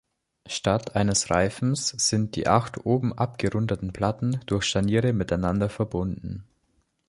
Statt eines Reifens sind die acht oben abgerundeten Platten durch Scharniere miteinander verbunden.